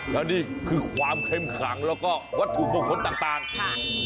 แล้วนี่คือความเข้มขังแล้วก็วัตถุมงคลต่างค่ะ